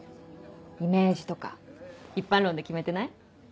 イメージとか一般論で決めてない？